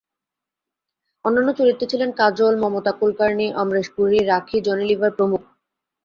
অন্যান্য চরিত্রে ছিলেন কাজল, মমতা কুলকার্নি, অমরেশ পুরী, রাখি, জনি লিভার প্রমুখ।